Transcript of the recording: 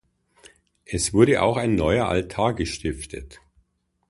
Es wurde auch ein neuer Altar gestiftet.